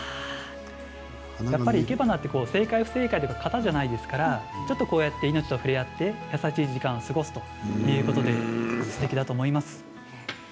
やっぱりいけばなは正解、不正解とかじゃないのでこうやって命と触れ合って優しい時間を過ごすということですてきだと思います。